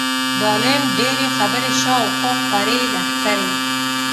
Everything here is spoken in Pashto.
د عالم ډېرې خبرې شا او خوا خورې لښکرې.